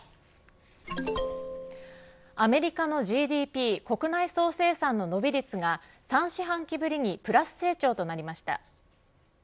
アメリカのＧＤＰ国内総生産の伸び率が３四半期ぶりにプラス成長となりました。